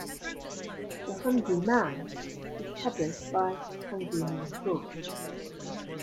"The Hungry Man" is published by Hungry Man Books.